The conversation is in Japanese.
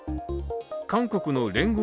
韓国の聯合